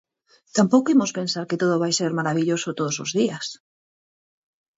Tampouco imos pensar que todo vai ser marabilloso todos os días.